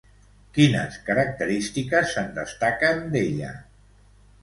Quines característiques se'n destaquen, d'ella?